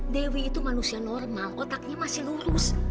dewi itu manusia normal otaknya masih lurus